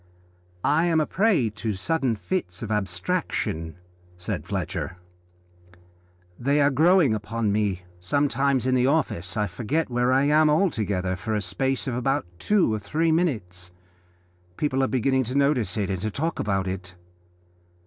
"I am a prey to sudden fits of abstraction," said Fletcher, "they are growing upon me. Sometimes in the office I forget where I am altogether for a space of about two or three minutes; people are beginning to notice it and to talk about it.